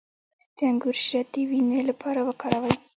د انګور شیره د وینې لپاره وکاروئ